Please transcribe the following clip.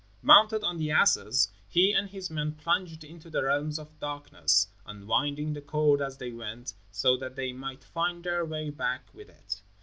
Mounted on the asses, he and his men plunged into the realms of darkness, unwinding the cord as they went, so that they might find their way back with it.